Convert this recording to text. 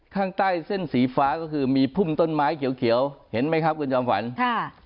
ข้างใต้เส้นสีฟ้าก็คือมีพุ่มต้นไม้เขียวเขียวเห็นไหมครับคุณจอมฝันค่ะ